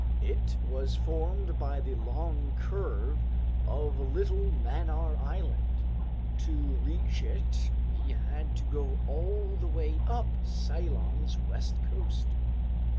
It was formed by the long curve of little Mannar Island. To reach it we had to go all the way up Ceylon's west coast.